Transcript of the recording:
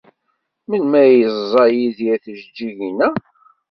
Melmi ay yeẓẓa Yidir tijeǧǧigin-a?